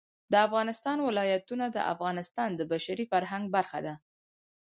د افغانستان ولايتونه د افغانستان د بشري فرهنګ برخه ده.